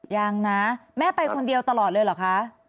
ยังนะแม่ไปคนเดียวตลอดเลยเหรอคะ